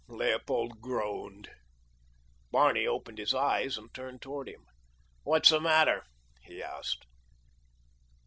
Leopold groaned. Barney opened his eyes and turned toward him. "What's the matter?" he asked.